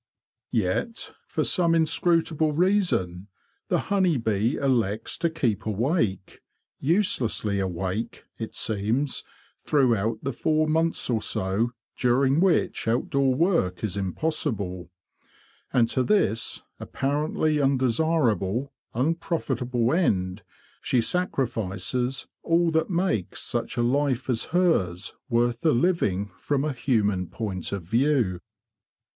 Yet, for some inscrutable reason, the honey bee elects to keep awake—uselessly awake, it seems— throughout the four months or so during which out door work is impossible; and to this apparently undesirable, unprofitable end, she sacrifices all that makes such a life as hers worth the living from a human point of view.